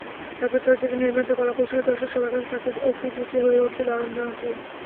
তারপর চলচ্চিত্র নির্মাতা, কলাকুশলী, দর্শক—সবার কাছে শাকিব-অপুর জুটি হয়ে ওঠে দারুণ জনপ্রিয়।